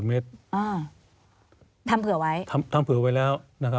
ทำเผื่อไว้อทำผิดไว้แล้วนะคะ